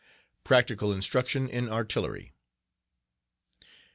Practical Instruction in Artillery.